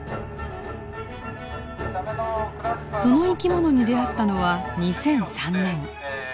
その生き物に出会ったのは２００３年。